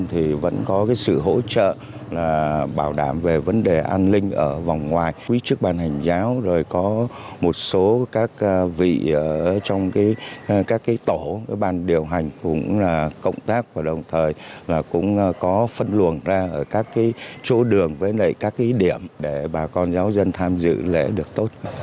hiện trên địa bàn huyện long thành cũng công tác và đồng thời cũng có phân luận ra ở các chỗ đường với các ý điểm để bà con giáo dân tham dự lễ được tốt